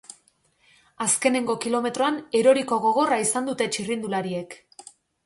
Azkenengo kilometroan eroriko gogorra izan dute txirrindulariek.